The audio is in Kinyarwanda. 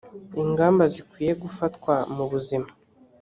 ingamba zikwiye gufatwa mu buzima